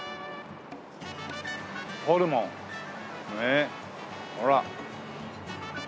「ホルモン」ねっほら。